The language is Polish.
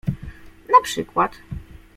Na przykład.